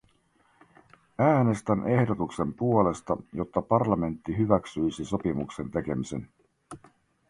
Äänestän ehdotuksen puolesta, jotta parlamentti hyväksyisi sopimuksen tekemisen.